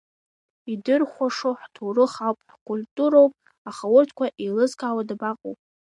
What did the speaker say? Идырхәашо ҳҭоурых ауп, ҳкультуроуп, аха урҭқәа еилызкаауа дабаҟоу!